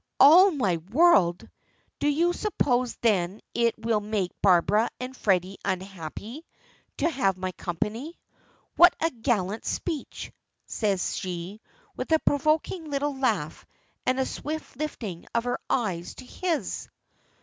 "All my world! Do you suppose then that it will make Barbara and Freddy unhappy to have my company? What a gallant speech!" says she, with a provoking little laugh and a swift lifting of her eyes to his.